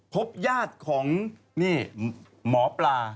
พบญาติของนี่หมอปลา